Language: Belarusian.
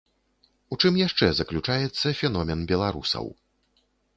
У чым яшчэ заключаецца феномен беларусаў?